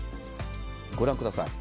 御覧ください。